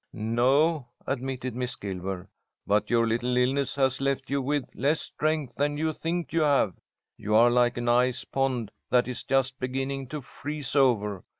"No," admitted Miss Gilmer, "but your little illness has left you with less strength than you think you have. You are like an ice pond that is just beginning to freeze over.